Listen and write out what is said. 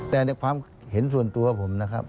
แต่ในความเห็นส่วนตัวผมนะครับ